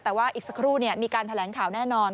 แต่ว่าอีกสักครู่มีการแถลงข่าวแน่นอน